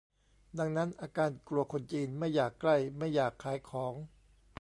ดังนั้น อาการกลัวคนจีน ไม่อยากใกล้ ไม่อยากขายของ